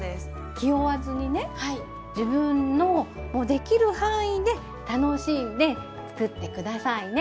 気負わずにね自分のできる範囲で楽しんで作って下さいね。